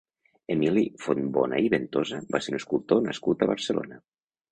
Emili Fontbona i Ventosa va ser un escultor nascut a Barcelona.